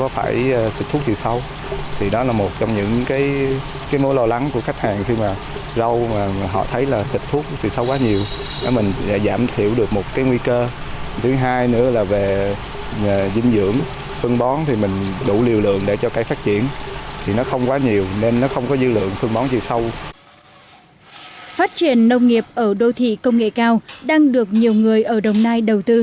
phát triển nông nghiệp ở đô thị công nghệ cao đang được nhiều người ở đồng nai đầu tư